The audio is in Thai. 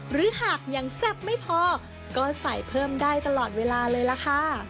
หรือหากยังแซ่บไม่พอก็ใส่เพิ่มได้ตลอดเวลาเลยล่ะค่ะ